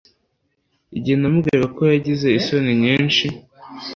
Igihe namubwiraga ko yagize isoni nyinshi